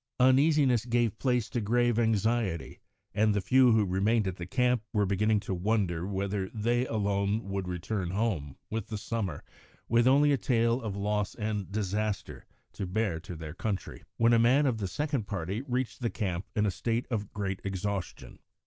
Uneasiness gave place to grave anxiety, and the few who remained at the camp were beginning to wonder whether they alone would return home, with the summer, with only a tale of loss and disaster to bear to their country, when a man of the second party reached the camp in a state of great exhaustion.